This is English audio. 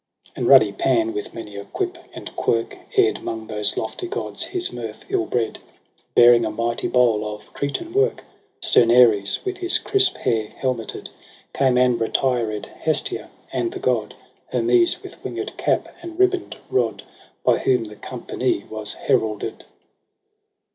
And ruddy Pan with many a quip and quirk Air'd 'mong those lofty gods his mirth illbred, Bearing a mighty bowl of cretan work : Stern Ares, with his crisp hair helmeted. Came, and retired Hestia, and the god Hermes, with winged cap and ribbon'd rod. By whom the company was heralded.